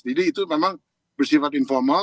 itu memang bersifat informal